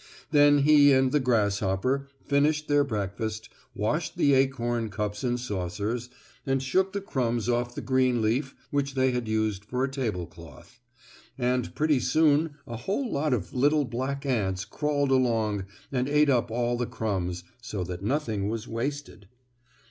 Then he and the grasshopper finished their breakfast, washed the acorn cups and saucers, and shook the crumbs off the green leaf which they had used for a table cloth. And pretty soon a whole lot of little black ants crawled along and ate up all the crumbs, so that nothing was wasted.